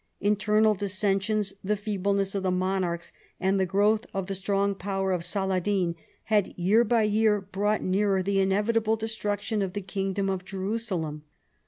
Internal dissensions, the feebleness of the monarchs, and the growth of the strong power of Saladin had year by year brought nearer the inevitable destruction of the kingdom of Jerusalem.